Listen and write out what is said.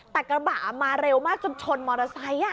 แต่กระบะมาเร็วมากจนชนมอเตอร์ไซค์